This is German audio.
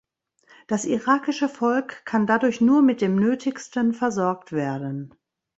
Das irakische Volk kann dadurch nur mit dem Nötigsten versorgt werden.